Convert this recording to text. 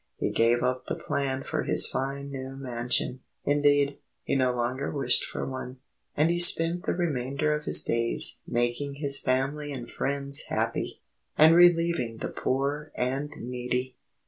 He gave up the plan for his fine new mansion indeed, he no longer wished for one and he spent the remainder of his days making his family and friends happy, and relieving the poor and needy.